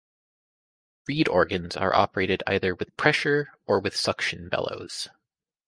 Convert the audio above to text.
Reed organs are operated either with pressure or with suction bellows.